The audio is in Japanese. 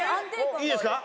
いいですか？